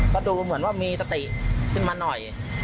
ก็ดูเหมือนว่ามีสติขึ้นมาหน่อย